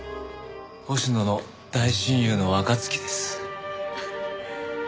星野の大親友の若月です。